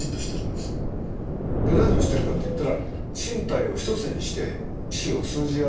何をしてるかっていったら。